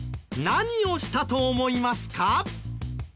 何をしたと思いますか？